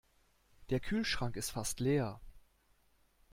Der Kühlschrank ist fast leer.